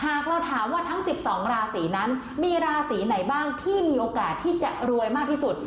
หากเราถามว่าทั้ง๑๒ราศีนั้นมีราศีไหนบ้างที่มีโอกาสที่จะรวยมากที่สุด